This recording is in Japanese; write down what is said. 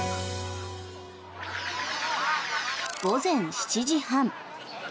午前７時半。